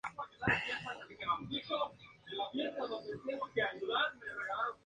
El doble enlace de los nodos permite recorrer la lista en cualquier dirección.